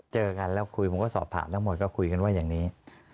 เจอกันแล้วคุยผมก็สอบถามทั้งหมดก็คุยกันว่าอย่างนี้